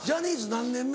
何年目？